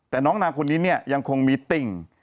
แต่น้องนางคนนี้เนี่ยยังคงมีติ่ง